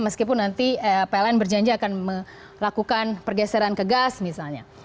meskipun nanti pln berjanji akan melakukan pergeseran ke gas misalnya